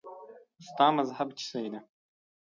ستا مذهب څه شی دی؟